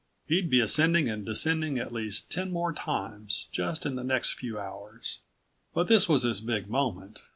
He'd be ascending and descending at least ten more times just in the next few hours. But this was his big moment.